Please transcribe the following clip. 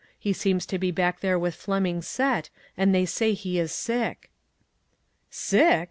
He seems to be back there with Fleming's set, and the}r say he is sick." " Sick